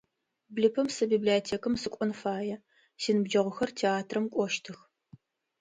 Блыпэм сэ библиотекам сыкӏон фае, синыбджэгъухэр театрам кӏощтых.